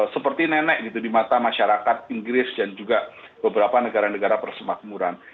seperti nenek gitu di mata masyarakat inggris dan juga beberapa negara negara persemakmuran